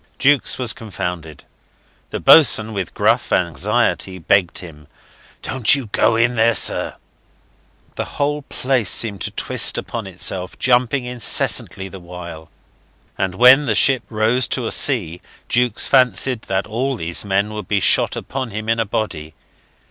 Jukes was confounded. The boatswain, with gruff anxiety, begged him, "Don't you go in there, sir." The whole place seemed to twist upon itself, jumping incessantly the while; and when the ship rose to a sea Jukes fancied that all these men would be shot upon him in a body.